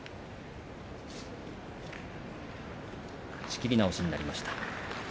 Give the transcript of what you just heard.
仕切り直しになりました。